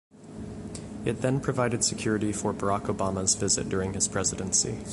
It then provided security for Barack Obama’s visit during his presidency.